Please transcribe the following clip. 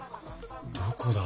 どこだ？